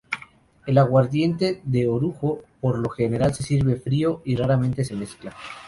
El aguardiente de orujo por lo general se sirve frío, y raramente se mezcla.